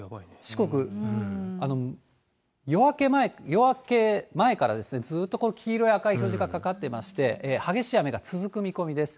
四国、夜明け前、夜明け前からですね、ずーっと黄色や赤い表示がかかっていまして、激しい雨が続く見込みです。